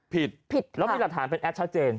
ผิดค่ะแล้วมีตรฐานเป็นแอดชัดเจน